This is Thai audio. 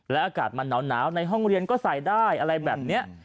อากาศมันหนาวในห้องเรียนก็ใส่ได้อะไรแบบนี้